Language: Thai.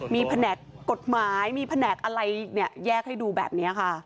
มีแผนกกฎหมายมีแผนกอะไรแยกให้ดูแบบนี้ค่ะ